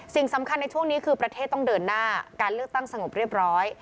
สิ่งสำคัญในช่วงนี้คือประเทศต้องเดินหน้าการเลือกตั้งสงบเรียบร้อย